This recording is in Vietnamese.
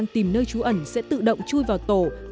tìm nơi trú ẩn sẽ tự động chui vào tổ